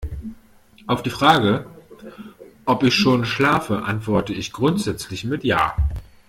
Auf die Frage, ob ich schon schlafe, antworte ich grundsätzlich mit ja.